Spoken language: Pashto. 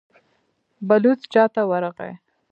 بلوڅ څا ته ورغی.